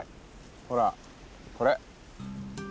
ほらこれ。